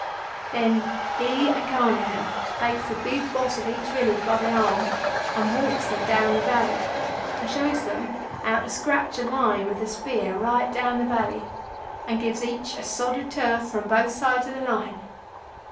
Then he and Carnehan takes the big boss of each village by the arm and walks them down into the valley, and shows them how to scratch a line with a spear right down the valley, and gives each a sod of turf from both sides o' the line.